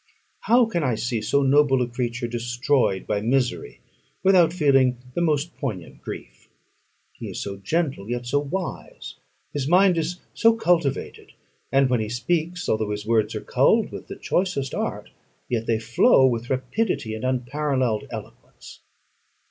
How can I see so noble a creature destroyed by misery, without feeling the most poignant grief? He is so gentle, yet so wise; his mind is so cultivated; and when he speaks, although his words are culled with the choicest art, yet they flow with rapidity and unparalleled eloquence.